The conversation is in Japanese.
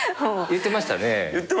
言ってましたよね。